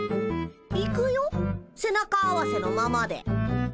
行くよ背中合わせのままで。